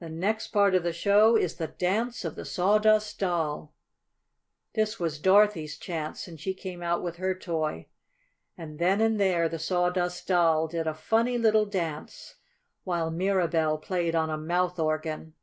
The next part of the show is the dance of the Sawdust Doll." This was Dorothy's chance, and she came out with her toy. And then and there the Sawdust Doll did a funny little dance while Mirabell played on a mouth organ.